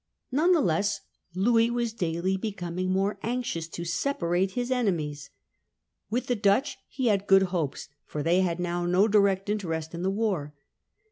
None the less, Louis was daily becoming more anxious to separate his enemies. With the Dutch he had good hopes, for they had now no direct interest in the war.